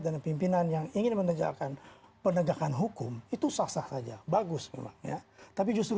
dan pimpinan yang ingin menerjakan penegakan hukum itu sah sah saja bagus memang ya tapi justru